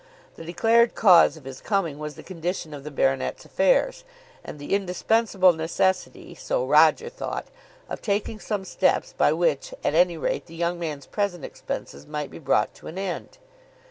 The declared cause of his coming was the condition of the baronet's affairs and the indispensable necessity, so Roger thought, of taking some steps by which at any rate the young man's present expenses might be brought to an end.